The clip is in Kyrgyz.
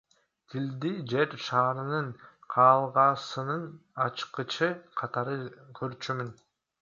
Тилди Жер шарынын каалгасынын ачкычы катары көрчүмүн.